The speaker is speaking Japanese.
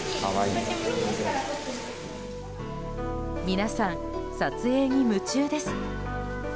皆さん、撮影に夢中です。